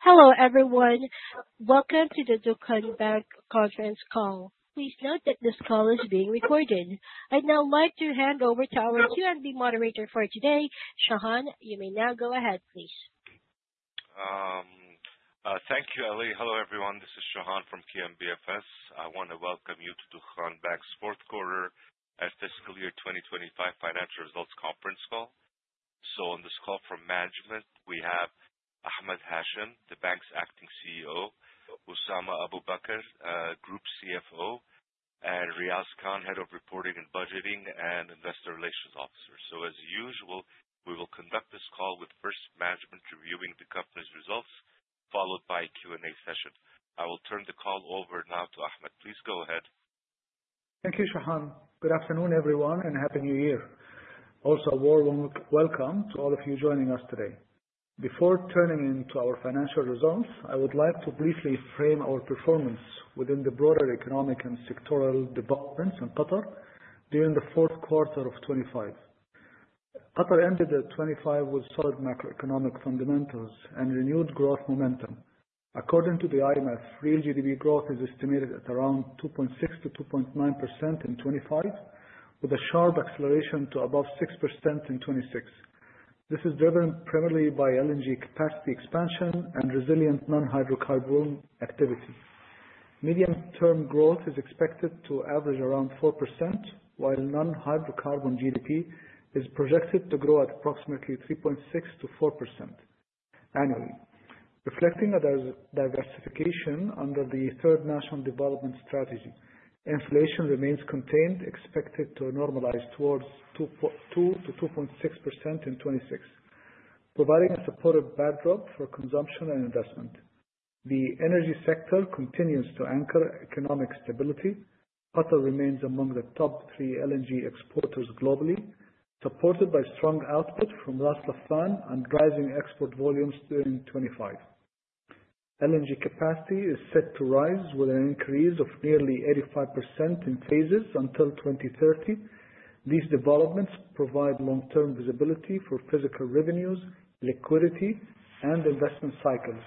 Hello, everyone. Welcome to the Dukhan Bank conference call. Please note that this call is being recorded. I'd now like to hand over to our QNB moderator for today. Shahan, you may now go ahead, please. Thank you, Ellie. Hello, everyone. This is Shahan from QNBFS. I want to welcome you to Dukhan Bank's fourth quarter and fiscal year 2025 financial results conference call. On this call from management, we have Ahmed Hashem, the bank's Acting CEO, Osama Abu Baker, Group CFO, and Riaz Khan, Head of Reporting and Budgeting and Investor Relations Officer. As usual, we will conduct this call with first management reviewing the company's results, followed by a Q&A session. I will turn the call over now to Ahmed. Please go ahead. Thank you, Shahan. Good afternoon, everyone, and Happy New Year. Also, a warm welcome to all of you joining us today. Before turning into our financial results, I would like to briefly frame our performance within the broader economic and sectoral developments in Qatar during the fourth quarter of 2025. Qatar ended 2025 with solid macroeconomic fundamentals and renewed growth momentum. According to the IMF, real GDP growth is estimated at around 2.6%-2.9% in 2025, with a sharp acceleration to above 6% in 2026. This is driven primarily by LNG capacity expansion and resilient non-hydrocarbon activity. Medium-term growth is expected to average around 4%, while non-hydrocarbon GDP is projected to grow at approximately 3.6%-4% annually. Reflecting a diversification under the Third National Development Strategy, inflation remains contained, expected to normalize towards 2%-2.6% in 2026, providing a supportive backdrop for consumption and investment. The energy sector continues to anchor economic stability. Qatar remains among the top three LNG exporters globally, supported by strong output from Ras Laffan and rising export volumes during 2025. LNG capacity is set to rise with an increase of nearly 85% in phases until 2030. These developments provide long-term visibility for physical revenues, liquidity, and investment cycles.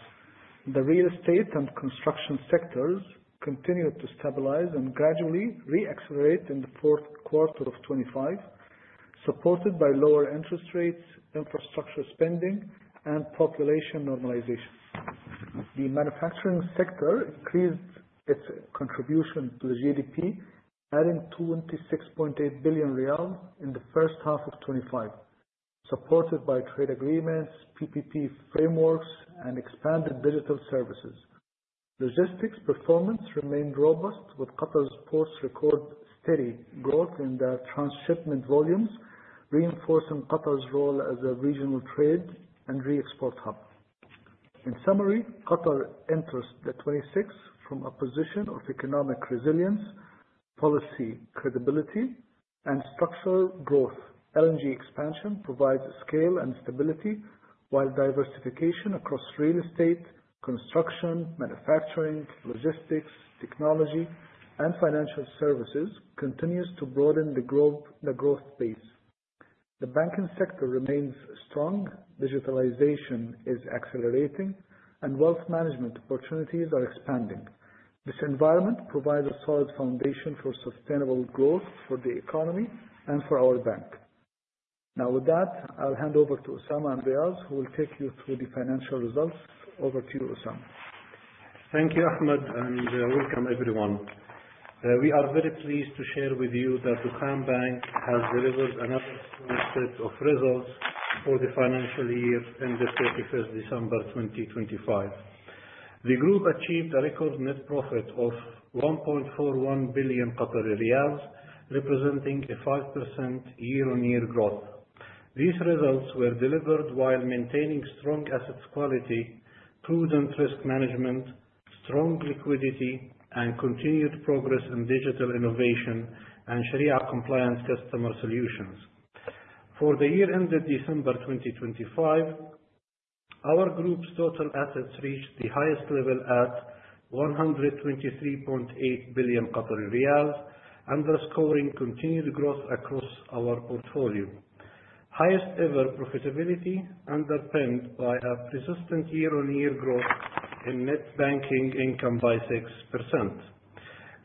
The real estate and construction sectors continued to stabilize and gradually re-accelerate in the fourth quarter of 2025, supported by lower interest rates, infrastructure spending, and population normalization. The manufacturing sector increased its contribution to the GDP, adding QAR 26.8 billion in the first half of 2025, supported by trade agreements, PPP frameworks, and expanded digital services. Logistics performance remained robust with Mwani Qatar record steady growth in their transshipment volumes, reinforcing Qatar's role as a regional trade and re-export hub. In summary, Qatar enters the 2026 from a position of economic resilience, policy credibility, and structural growth. LNG expansion provides scale and stability while diversification across real estate, construction, manufacturing, logistics, technology, and financial services continues to broaden the growth base. The banking sector remains strong, digitalization is accelerating, and wealth management opportunities are expanding. This environment provides a solid foundation for sustainable growth for the economy and for our bank. Now with that, I'll hand over to Osama and Riaz, who will take you through the financial results. Over to you, Osama. Thank you, Ahmed, and welcome everyone. We are very pleased to share with you that Dukhan Bank has delivered another strong set of results for the financial year ended 31st December 2025. The group achieved a record net profit of 1.41 billion Qatari riyals, representing a 5% year-on-year growth. These results were delivered while maintaining strong assets quality, prudent risk management, strong liquidity, and continued progress in digital innovation and Sharia compliance customer solutions. For the year ended December 2025, our group's total assets reached the highest level at 123.8 billion Qatari riyals, underscoring continued growth across our portfolio. Highest ever profitability underpinned by a persistent year-on-year growth in net banking income by 6%.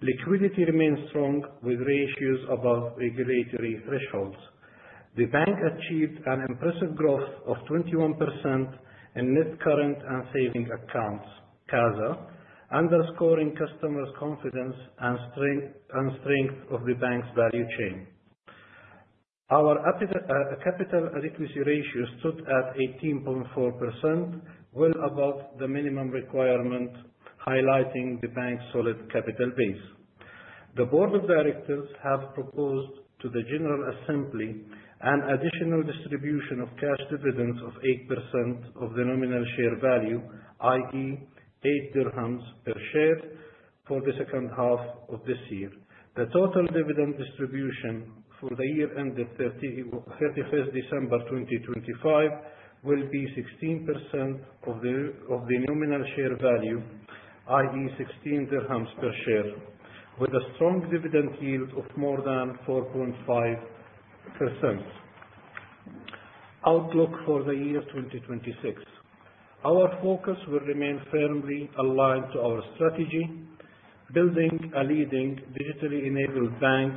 Liquidity remains strong with ratios above regulatory thresholds. The bank achieved an impressive growth of 21% in net current and savings accounts, CASA, underscoring customers' confidence and strength of the bank's value chain. Our capital adequacy ratio stood at 18.4%, well above the minimum requirement, highlighting the bank's solid capital base. The board of directors have proposed to the general assembly an additional distribution of cash dividends of 8% of the nominal share value, i.e., QAR 0.08 per share for the second half of this year. The total dividend distribution for the year ended 31st December 2025 will be 16% of the nominal share value, i.e., QAR 0.16 per share, with a strong dividend yield of more than 4.5%. Outlook for the year 2026. Our focus will remain firmly aligned to our strategy, building a leading digitally enabled bank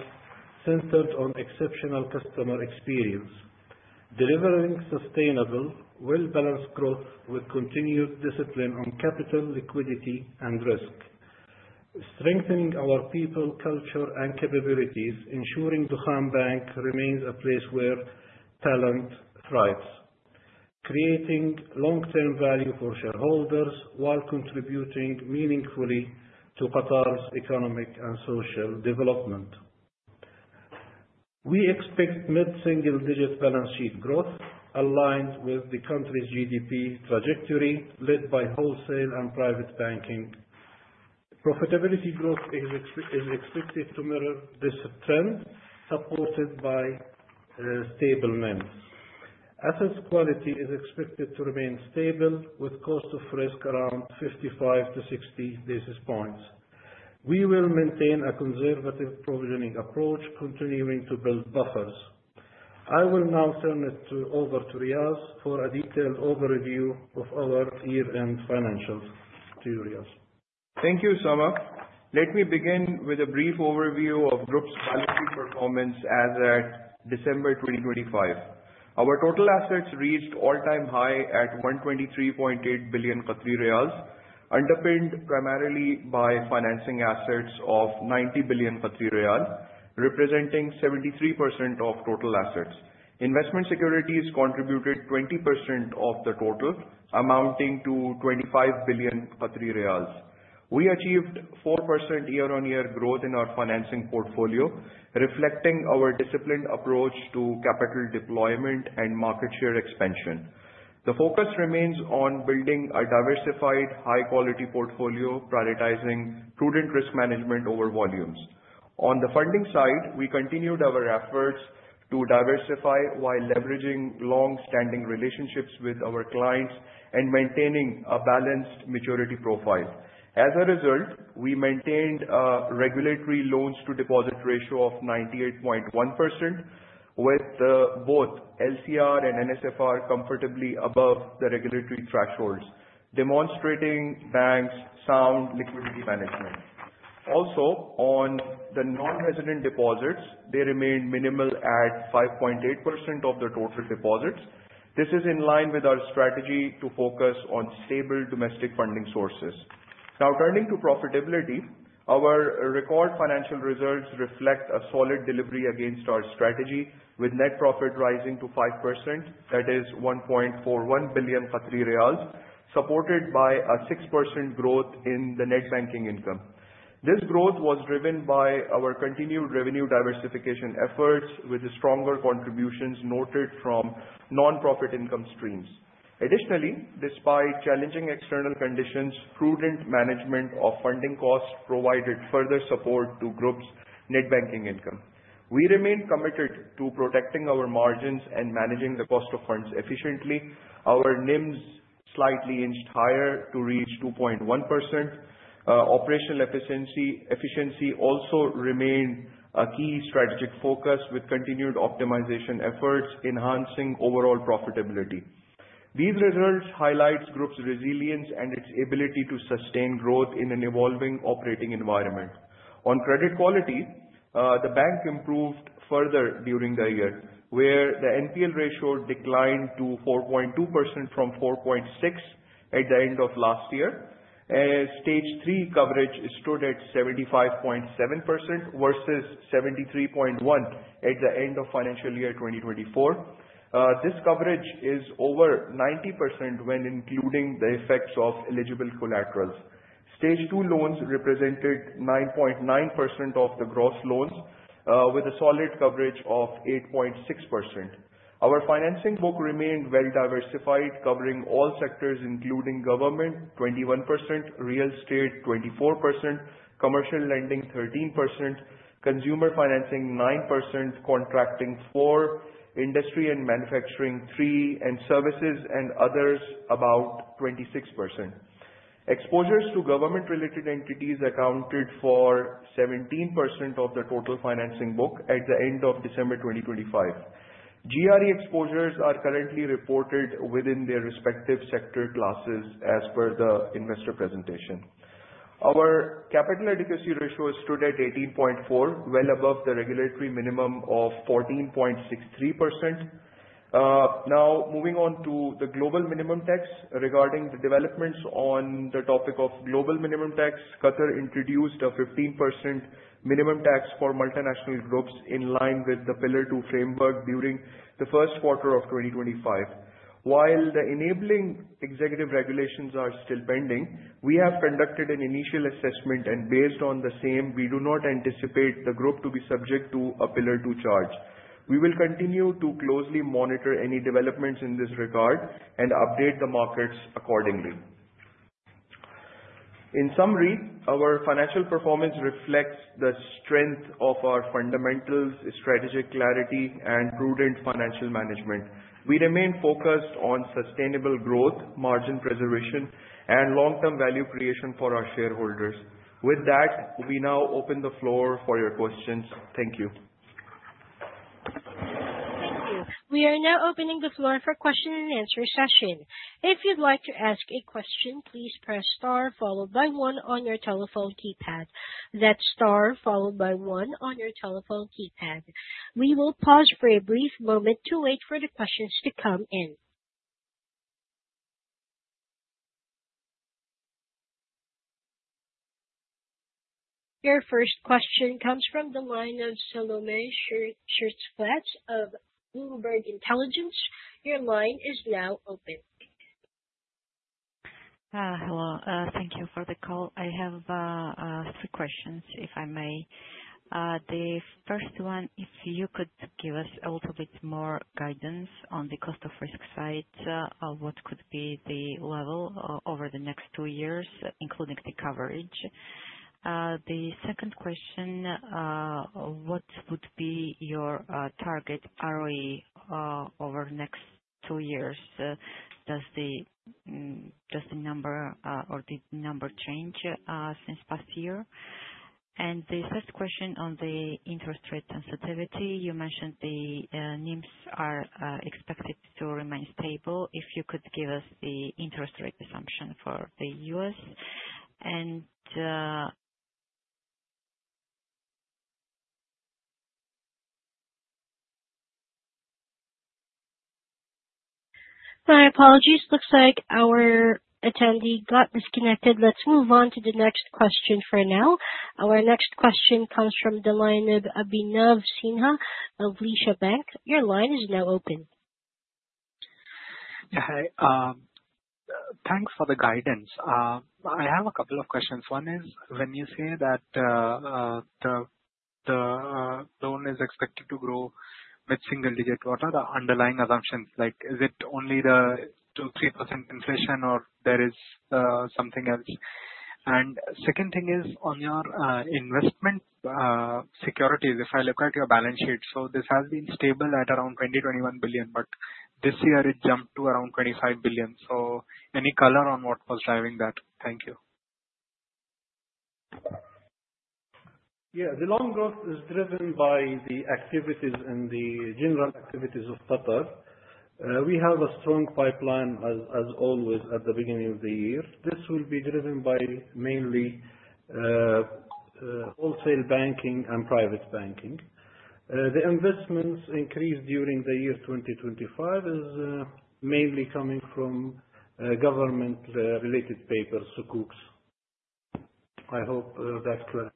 centered on exceptional customer experience, delivering sustainable, well-balanced growth with continued discipline on capital, liquidity and risk. Strengthening our people, culture, and capabilities, ensuring Dukhan Bank remains a place where talent thrives. Creating long-term value for shareholders while contributing meaningfully to Qatar's economic and social development. We expect mid single digit balance sheet growth aligned with the country's GDP trajectory, led by wholesale and private banking. Profitability growth is expected to mirror this trend, supported by stable NIMS. Assets quality is expected to remain stable with cost of risk around 55-60 basis points. We will maintain a conservative provisioning approach, continuing to build buffers. I will now turn it over to Riaz for a detailed overview of our year-end financials. To Riaz. Thank you, Sama. Let me begin with a brief overview of Group's balance sheet performance as at December 2025. Our total assets reached all-time high at 123.8 billion Qatari riyals, underpinned primarily by financing assets of 90 billion Qatari riyal, representing 73% of total assets. Investment securities contributed 20% of the total, amounting to 25 billion Qatari riyals. We achieved 4% year-on-year growth in our financing portfolio, reflecting our disciplined approach to capital deployment and market share expansion. The focus remains on building a diversified, high-quality portfolio, prioritizing prudent risk management over volumes. On the funding side, we continued our efforts to diversify while leveraging long-standing relationships with our clients and maintaining a balanced maturity profile. As a result, we maintained regulatory loans to deposit ratio of 98.1%, with both LCR and NSFR comfortably above the regulatory thresholds, demonstrating Bank's sound liquidity management. On the non-resident deposits, they remained minimal at 5.8% of the total deposits. This is in line with our strategy to focus on stable domestic funding sources. Turning to profitability, our record financial results reflect a solid delivery against our strategy, with net profit rising to 5%, that is 1.41 billion Qatari riyals, supported by a 6% growth in the net banking income. This growth was driven by our continued revenue diversification efforts with stronger contributions noted from non-profit income streams. Additionally, despite challenging external conditions, prudent management of funding costs provided further support to Group's net banking income. We remain committed to protecting our margins and managing the cost of funds efficiently. Our NIMS slightly inched higher to reach 2.1%. Operational efficiency also remained a key strategic focus, with continued optimization efforts enhancing overall profitability. These results highlight Group's resilience and its ability to sustain growth in an evolving operating environment. On credit quality, the Bank improved further during the year, where the NPL ratio declined to 4.2% from 4.6% at the end of last year. Stage 3 coverage stood at 75.7% versus 73.1% at the end of FY 2024. This coverage is over 90% when including the effects of eligible collaterals. Stage 2 loans represented 9.9% of the gross loans, with a solid coverage of 8.6%. Our financing book remained well diversified, covering all sectors including government 21%, real estate 24%, commercial lending 13%, consumer financing 9%, contracting 4%, industry and manufacturing 3%, and services and others, about 26%. Exposures to government-related entities accounted for 17% of the total financing book at the end of December 2025. GRE exposures are currently reported within their respective sector classes as per the investor presentation. Our capital adequacy ratio stood at 18.4%, well above the regulatory minimum of 14.63%. Moving on to the global minimum tax. Regarding the developments on the topic of global minimum tax, Qatar introduced a 15% minimum tax for multinational groups in line with the Pillar Two framework during the first quarter of 2025. While the enabling executive regulations are still pending, we have conducted an initial assessment and based on the same, we do not anticipate the Group to be subject to a Pillar Two charge. We will continue to closely monitor any developments in this regard and update the markets accordingly. In summary, our financial performance reflects the strength of our fundamentals, strategic clarity, and prudent financial management. We remain focused on sustainable growth, margin preservation, and long-term value creation for our shareholders. With that, we now open the floor for your questions. Thank you. We are now opening the floor for question and answer session. If you'd like to ask a question, please press star followed by one on your telephone keypad. That's star followed by one on your telephone keypad. We will pause for a brief moment to wait for the questions to come in. Your first question comes from the line of Salome Schertz of Bloomberg Intelligence. Your line is now open. Hello. Thank you for the call. I have three questions, if I may. The first one, if you could give us a little bit more guidance on the cost of risk side, what could be the level over the next two years, including the coverage? The second question, what would be your target ROE over the next two years? Does the number change since past year? The third question on the interest rate sensitivity. You mentioned the NIMs are expected to remain stable. If you could give us the interest rate assumption for the U.S. and My apologies. Looks like our attendee got disconnected. Let's move on to the next question for now. Our next question comes from the line of Abhinav Sinha of Visha Bank. Your line is now open. Hi. Thanks for the guidance. I have a couple of questions. One is, when you say that the loan is expected to grow mid-single digit, what are the underlying assumptions? Is it only the two%, three% inflation, or there is something else? Second thing is on your investment securities. If I look at your balance sheet. This has been stable at around 20 billion, 21 billion, but this year it jumped to around 25 billion. Any color on what was driving that? Thank you. Yeah. The loan growth is driven by the activities and the general activities of Qatar. We have a strong pipeline as always at the beginning of the year. This will be driven by mainly wholesale banking and private banking. The investments increased during the year 2025 is mainly coming from government-related paper sukuk. I hope that's clear.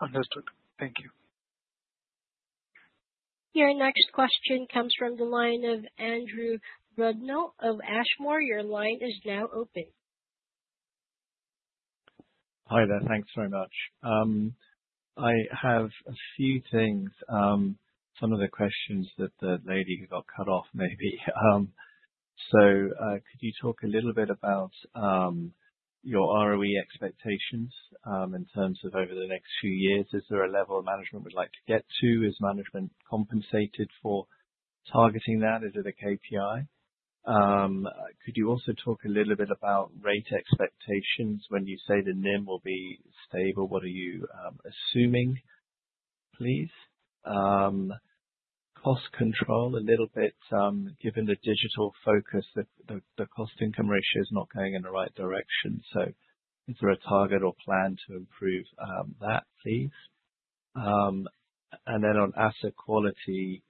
Understood. Thank you. Your next question comes from the line of Andrew Rudnell of Ashmore. Your line is now open. Hi there. Thanks very much. I have a few things. Some of the questions that the lady who got cut off maybe. Could you talk a little bit about your ROE expectations, in terms of over the next few years? Is there a level management would like to get to? Is management compensated for targeting that? Is it a KPI? Could you also talk a little bit about rate expectations? When you say the NIM will be stable, what are you assuming, please? Cost control a little bit, given the digital focus that the cost-income ratio is not going in the right direction. Is there a target or plan to improve that, please? On asset quality,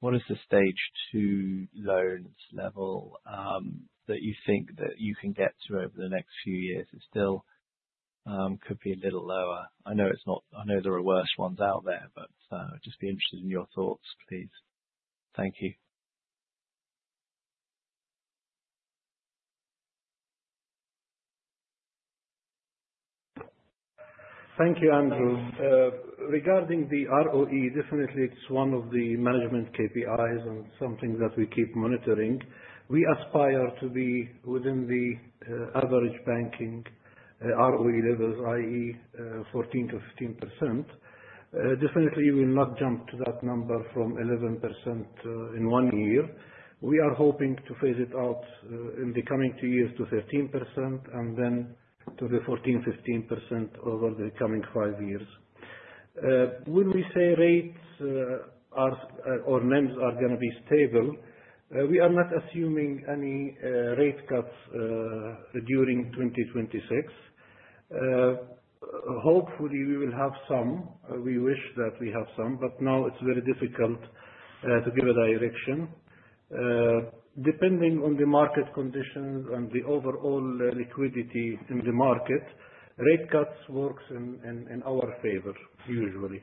what is the stage 2 loans level, that you think that you can get to over the next few years? It still could be a little lower. I know there are worse ones out there. Just be interested in your thoughts, please. Thank you, Andrew. Thank you, Andrew. Regarding the ROE, definitely it's one of the management KPIs and something that we keep monitoring. We aspire to be within the average banking ROE levels, i.e., 14%-15%. Definitely, we'll not jump to that number from 11% in one year. We are hoping to phase it out in the coming two years to 13% and then to the 14%-15% over the coming five years. When we say rates or NIMs are going to be stable, we are not assuming any rate cuts during 2026. Hopefully, we will have some. We wish that we have some. Now it's very difficult to give a direction. Depending on the market conditions and the overall liquidity in the market, rate cuts works in our favor, usually.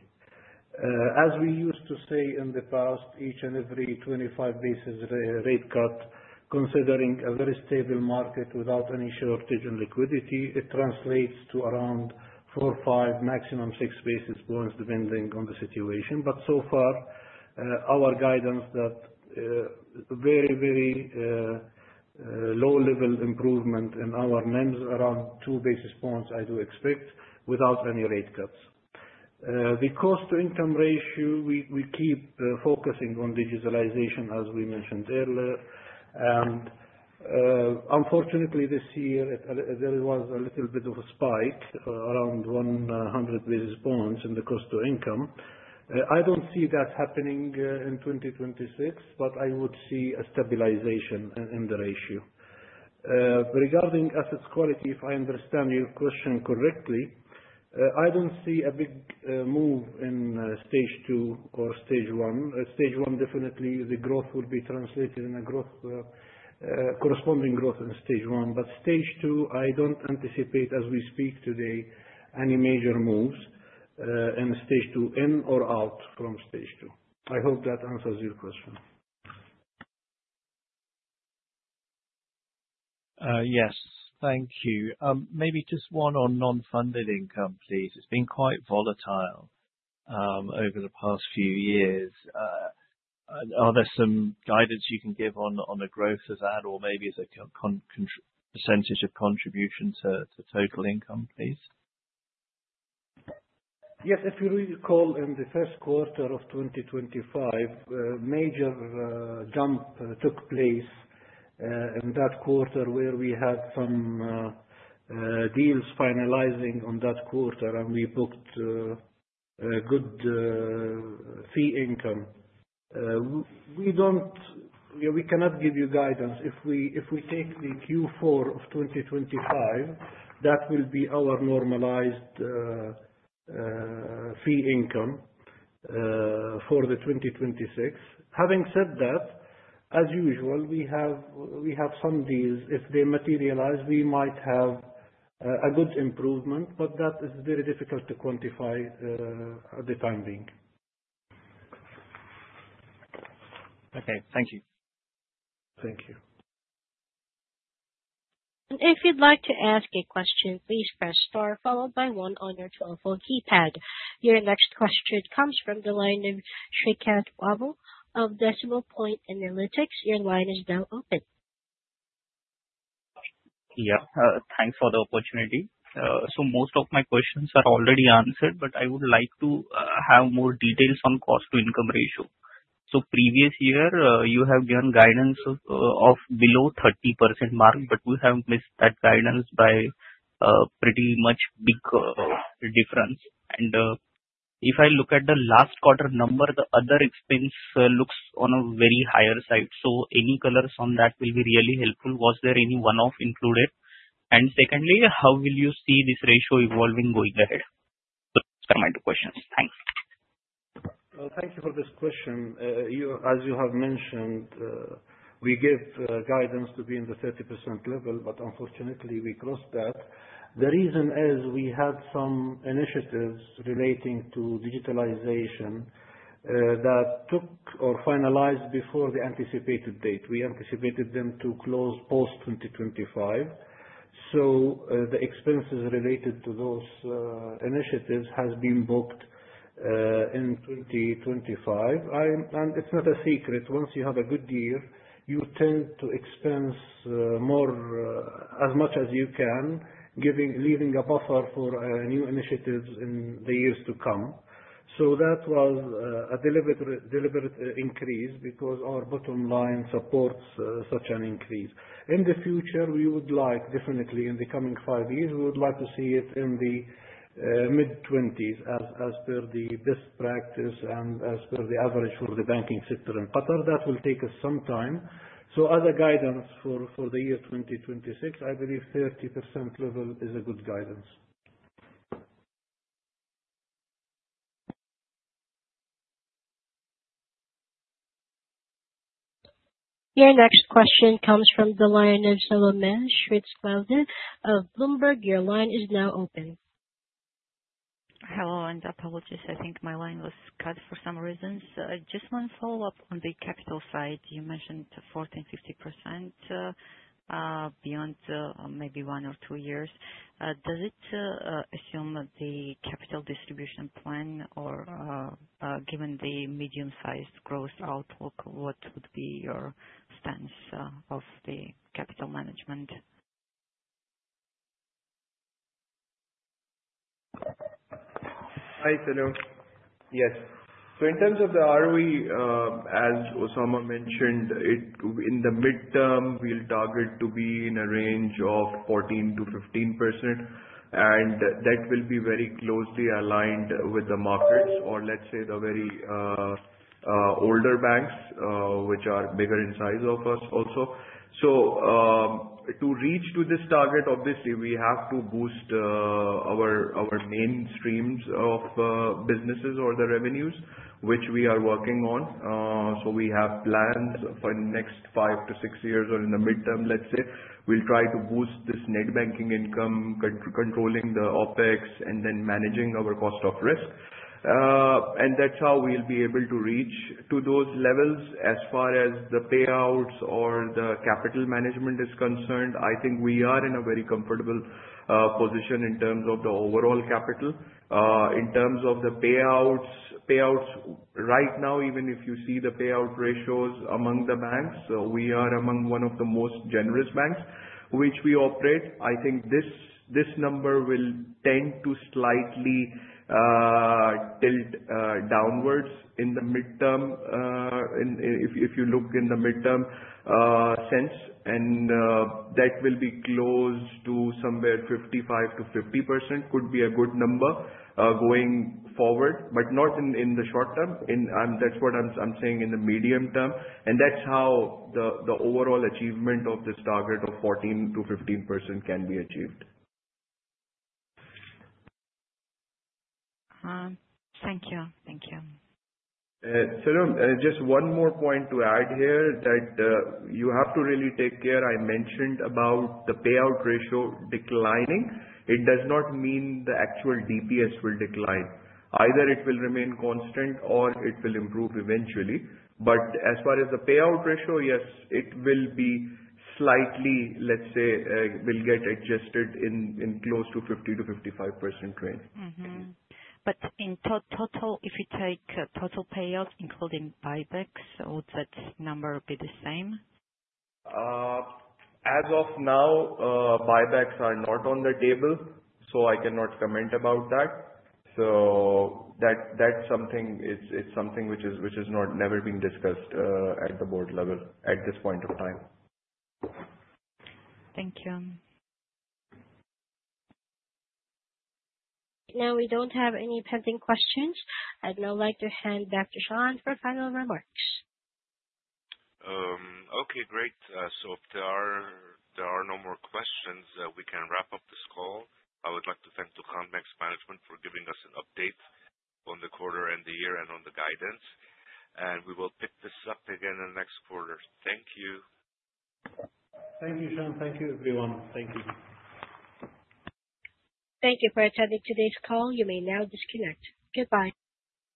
As we used to say in the past, each and every 25 basis rate cut, considering a very stable market without any shortage in liquidity, it translates to around four, five, maximum six basis points, depending on the situation. So far, our guidance that very low level improvement in our NIM around two basis points, I do expect without any rate cuts. The cost-to-income ratio, we keep focusing on digitalization, as we mentioned earlier. Unfortunately, this year, there was a little bit of a spike around 100 basis points in the cost to income. I don't see that happening in 2026. I would see a stabilization in the ratio. Regarding assets quality, if I understand your question correctly, I don't see a big move in stage 2 or stage 1. Stage 1, definitely, the growth will be translated in a corresponding growth in stage 1. Stage 2, I don't anticipate as we speak today, any major moves in stage 2, in or out from stage 2. I hope that answers your question. Yes. Thank you. Maybe just one on non-funded income, please. It's been quite volatile over the past few years. Are there some guidance you can give on the growth of that or maybe the % of contribution to total income, please? Yes. If you recall, in the first quarter of 2025, a major jump took place in that quarter where we had some deals finalizing on that quarter and we booked a good fee income. We cannot give you guidance. If we take the Q4 of 2025, that will be our normalized fee income for the 2026. Having said that, as usual, we have some deals. If they materialize, we might have a good improvement, but that is very difficult to quantify at the time being. Okay. Thank you. Thank you. If you'd like to ask a question, please press star followed by one on your telephone keypad. Your next question comes from the line of Srikanth Pavel of Decimal Point Analytics. Your line is now open. Yeah. Thanks for the opportunity. Most of my questions are already answered, but I would like to have more details on cost to income ratio. Previous year, you have given guidance of below 30% mark, but you have missed that guidance by a pretty much big difference. If I look at the last quarter number, the other expense looks on a very higher side. Any colors on that will be really helpful. Was there any one-off included? Secondly, how will you see this ratio evolving going ahead? Those are my two questions. Thanks. Thank you for this question. As you have mentioned, we give guidance to be in the 30% level, but unfortunately we crossed that. The reason is we had some initiatives relating to digitalization that took or finalized before the anticipated date. We anticipated them to close post 2025. The expenses related to those initiatives has been booked in 2025. It's not a secret. Once you have a good year, you tend to expense as much as you can, leaving a buffer for new initiatives in the years to come. That was a deliberate increase because our bottom line supports such an increase. In the future, we would like, definitely in the coming five years, we would like to see it in the mid-twenties as per the best practice and as per the average for the banking sector in Qatar. That will take us some time. Other guidance for the year 2026, I believe 30% level is a good guidance. Your next question comes from the line of Solomon Schwartzwalder of Bloomberg. Your line is now open. Hello. Apologies. I think my line was cut for some reasons. Just one follow-up on the capital side. You mentioned 14%-15% beyond maybe one or two years. Does it assume the capital distribution plan or, given the medium-sized growth outlook, what would be your stance of the capital management? Hi, Solomon. Yes. In terms of the ROE, as Osama mentioned, in the midterm, we'll target to be in a range of 14%-15%, and that will be very closely aligned with the markets or let's say the very older banks, which are bigger in size of us also. To reach to this target, obviously, we have to boost our main streams of businesses or the revenues, which we are working on. We have plans for next five to six years or in the midterm, let's say. We'll try to boost this net banking income, controlling the OPEX, and then managing our cost of risk. That's how we'll be able to reach to those levels. As far as the payouts or the capital management is concerned, I think we are in a very comfortable position in terms of the overall capital. In terms of the payouts, right now even if you see the payout ratios among the banks, we are among one of the most generous banks which we operate. I think this number will tend to slightly tilt downwards in the midterm. If you look in the midterm sense, that will be close to somewhere 55%-50% could be a good number going forward, but not in the short term. That's what I'm saying in the medium term, that's how the overall achievement of this target of 14%-15% can be achieved. Thank you. Sirim, just one more point to add here that you have to really take care. I mentioned about the payout ratio declining. It does not mean the actual DPS will decline. Either it will remain constant or it will improve eventually. As far as the payout ratio, yes, it will be slightly, let's say, will get adjusted in close to 50%-55% range. Mm-hmm. In total, if you take total payout including buybacks, would that number be the same? As of now, buybacks are not on the table, so I cannot comment about that. That's something which has never been discussed at the board level at this point in time. Thank you. We don't have any pending questions. I'd now like to hand back to Shahan for final remarks. Okay, great. If there are no more questions, we can wrap up this call. I would like to thank Dukhan Bank's management for giving us an update on the quarter and the year and on the guidance. We will pick this up again in the next quarter. Thank you. Thank you, Shahan. Thank you, everyone. Thank you. Thank you for attending today's call. You may now disconnect. Goodbye.